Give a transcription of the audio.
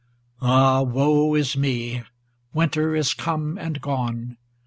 XVIII Ah woe is me ! Winter is come and gone.